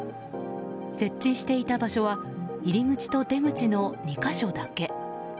設置していた場所は入り口と出口の２か所だけ。